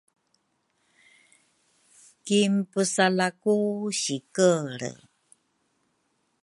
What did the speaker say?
kinpusaleaku sikelre.